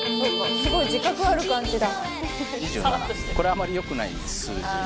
すごい自覚ある感じだ。